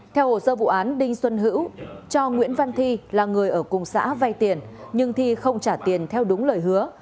theo hồ sơ vụ án đinh xuân hữu cho nguyễn văn thi là người ở cùng xã vay tiền nhưng thi không trả tiền theo đúng lời hứa